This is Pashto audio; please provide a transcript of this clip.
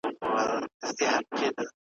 هم مرغان هم څلور بولي یې خوړله ,